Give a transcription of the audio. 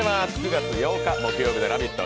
９月８日木曜日の「ラヴィット！」